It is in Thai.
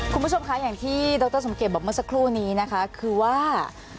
คุณผู้ชมค่ะอย่างที่ดรสมเกตบอกเสียครู้นี้นะคือว่า